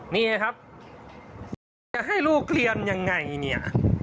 นี่นะครับจะให้ลูกเรียนยังไงเนี่ย